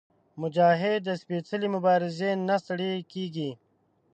مجاهد د سپېڅلې مبارزې نه ستړی کېږي.